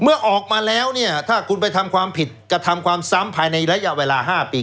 เมื่อออกมาแล้วเนี่ยถ้าคุณไปทำความผิดกระทำความซ้ำภายในระยะเวลา๕ปี